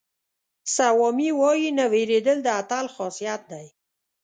سوامي وایي نه وېرېدل د اتل خاصیت دی.